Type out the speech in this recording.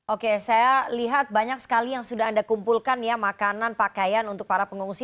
oke saya lihat banyak sekali yang sudah anda kumpulkan ya makanan pakaian untuk para pengungsi